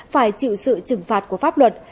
phải chịu sự trừng phạt của pháp luật